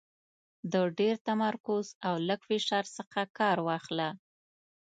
د ډېر تمرکز او لږ فشار څخه کار واخله .